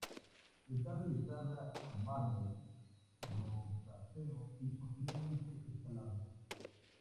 Está realizada en mármol rosáceo y posteriormente encalada.